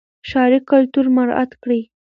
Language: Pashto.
ښاري کلتور مراعات کړئ.